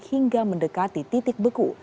hingga mendekati titik beku